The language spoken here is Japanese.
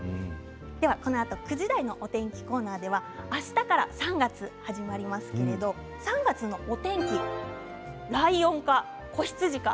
このあと９時台のお天気コーナーではあしたから３月始まりますけれど３月のお天気ライオンか子羊か。